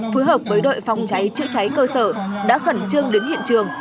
phối hợp với đội phòng cháy chữa cháy cơ sở đã khẩn trương đến hiện trường